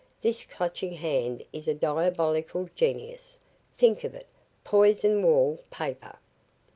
This Clutching Hand is a diabolical genius. Think of it poisoned wall paper!"